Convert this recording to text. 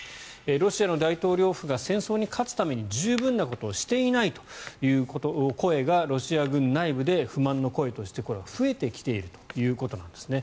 ロシアの大統領府が戦争に勝つために十分なことをしていないという声が、ロシア軍内部で不満の声として増えてきているということです。